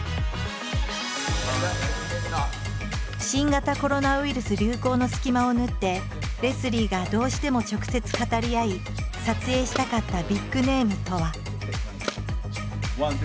新型コロナウイルス流行の隙間を縫ってレスリーがどうしても直接語り合い撮影したかったビッグネームとは。